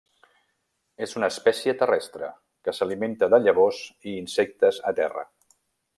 És una espècie terrestre, que s'alimenta de llavors i insectes a terra.